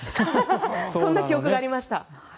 そんな記憶がありました。